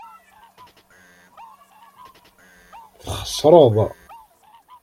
Txeṣreḍ.